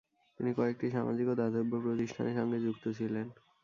তিনি কয়েকটি সামাজিক ও দাতব্য প্রতিষ্ঠানের সঙ্গে যুক্ত ছিলেন।